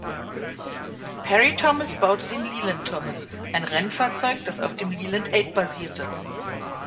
Parry-Thomas baute den Leyland-Thomas, ein Rennfahrzeug, das auf dem Leyland Eight basierte.